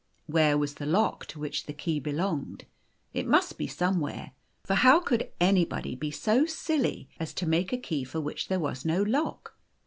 Where was the lock to which the key belonged ? It must be somewhere, for how could anybody be so silly as make a key for which there was no lock